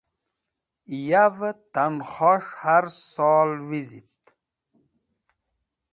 Yavẽ tankhos̃h har sol vẽzhit